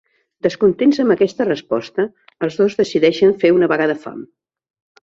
Descontents amb aquesta resposta, els dos decideixen fer una vaga de fam.